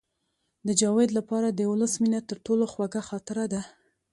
د جاوید لپاره د ولس مینه تر ټولو خوږه خاطره ده